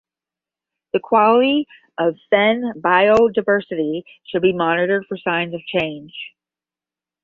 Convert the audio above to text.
The quality of fen biodiversity should be monitored for signs of change.